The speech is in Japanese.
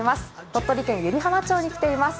鳥取県湯梨浜町に来ています。